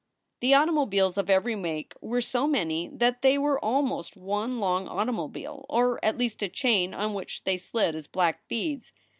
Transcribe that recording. The automobiles of every make were so many that they were almost one long automobile, or at least a chain on which they slid as black beads.